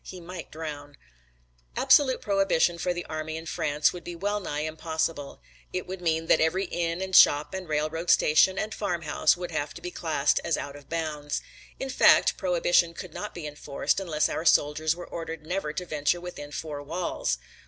He might drown. Absolute prohibition for the army in France would be well nigh impossible. It would mean that every inn and shop and railroad station and farmhouse would have to be classed as out of bounds. In fact prohibition could not be enforced unless our soldiers were ordered never to venture within four walls.